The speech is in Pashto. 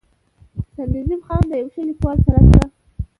“ سرنزېب خان د يو ښه ليکوال سره سره